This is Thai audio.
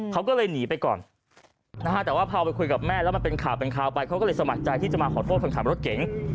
เขาก็เลยหนีไปก่อนนะฮะแต่ว่าพอไปคุยกับแม่แล้วมันเป็นข่าวเป็นข่าวไปเขาก็เลยสมัครใจที่จะมาขอโทษคนขับรถเก๋ง